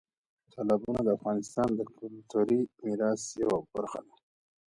تالابونه د افغانستان د کلتوري میراث برخه ده.